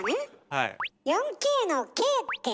はい。